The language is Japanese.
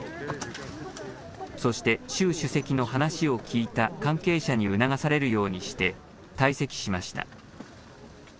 そして、習主席の話を聞いた関係者に促されるようにして、退席しました。